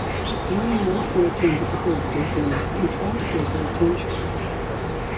Ali also attended the birthday dinner and tried to get her attention.